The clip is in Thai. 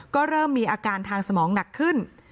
ก็เริ่มมีอาการทางสมองหนักขึ้น